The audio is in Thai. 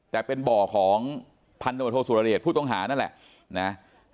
แต่เป็นบ่อของพันธบทโศสุรเดชผู้ต้องหานั่นแหละนะ